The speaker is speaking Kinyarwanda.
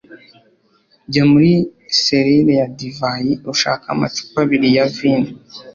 jya muri selire ya divayi ushake amacupa abiri ya vino